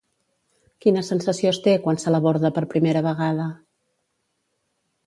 Quina sensació es té quan se l'aborda per primera vegada?